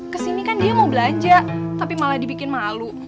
kesini kan dia mau belanja tapi malah dibikin malu